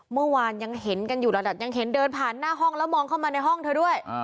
เมื่อวานยังเห็นกันอยู่ระดับยังเห็นเดินผ่านหน้าห้องแล้วมองเข้ามาในห้องเธอด้วย